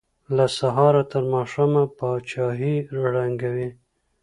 له سهاره تر ماښامه پاچاهۍ ړنګوي.